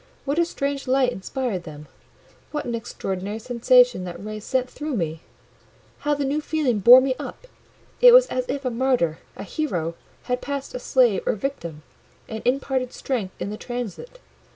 What a strange light inspired them! What an extraordinary sensation that ray sent through me! How the new feeling bore me up! It was as if a martyr, a hero, had passed a slave or victim, and imparted strength in the transit.